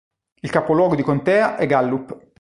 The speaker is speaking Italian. Il capoluogo di contea è Gallup.